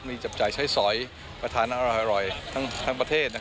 มีจับจ่ายใช้สอยประทานอร่อยทั้งประเทศ